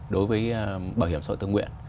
đối với bảo hiểm xã hội tự nguyện